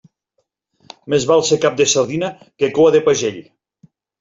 Més val ser cap de sardina que coa de pagell.